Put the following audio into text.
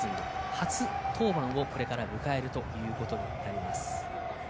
初登板をこれから迎えるということになります。